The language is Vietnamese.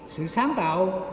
sự sáng tạo